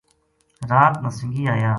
رات نا سنگی ایا